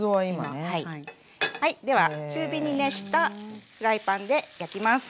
はいでは中火に熱したフライパンで焼きます。